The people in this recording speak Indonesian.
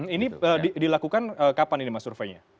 ini dilakukan kapan ini mas surveinya